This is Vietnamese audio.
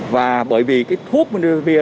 và bởi vì cái thuốc monopiravir